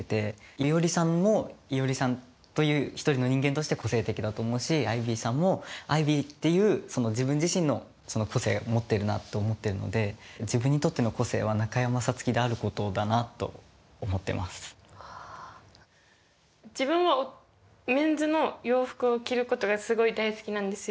いおりさんもいおりさんという一人の人間として個性的だと思うしアイビーさんもアイビーっていう自分自身の個性持ってるなと思ってるので自分はメンズの洋服を着ることがすごい大好きなんですよ。